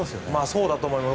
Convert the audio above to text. そうだと思います。